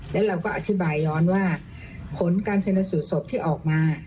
แล้วเราก็อธิบายย้อนว่าผลการชนสูตรศพที่ออกมา